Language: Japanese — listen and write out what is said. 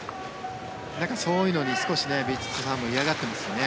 そういうのに少しヴィチットサーンも嫌がってますよね。